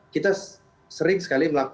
kita sering sekali mengatakan